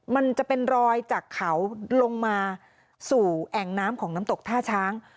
มันจะเป็นรอยจากเขาลงมาสู่แอ่งน้ำของน้ำตกท่าช้าง